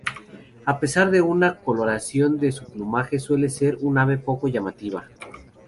A pesar de la coloración de su plumaje suele ser un ave poco llamativa.